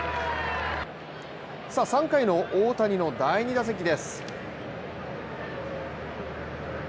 ３回の大谷の第２打席です。